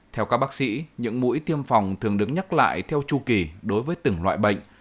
theo các bác sĩ những mũi tiêm phòng thường đứng nhắc lại theo chu kỳ đối với từng loại bệnh